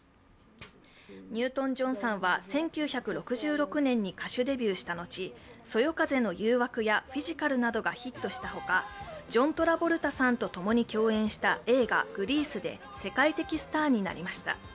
ニュートン＝ジョンさんは１９６６年に歌手デビューしたのち「そよ風の誘惑」や「フィジカル」などがヒットしたほかジョン・トラボルタさんとともに共演した映画「グリース」で世界的スターになりました。